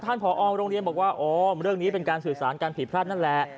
ผอโรงเรียนบอกว่าโอ้เรื่องนี้เป็นการสื่อสารการผิดพลาดนั่นแหละ